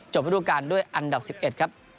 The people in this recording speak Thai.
ประดูการด้วยอันดับ๑๑ครับ